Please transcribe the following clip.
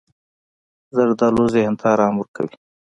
زردالو ذهن ته ارام ورکوي.